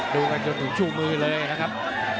ดูกันจนถึงชู่มือเลยนะครับ